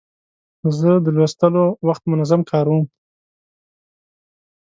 زه د لوستلو وخت منظم کاروم.